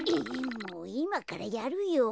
いまからやるよ。